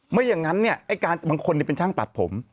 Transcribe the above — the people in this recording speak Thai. ไม่อย่างนั้นบางคนเป็นช่างตัดผม